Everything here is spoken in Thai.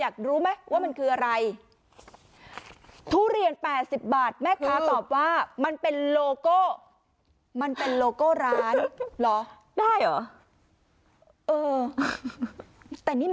คืออะไร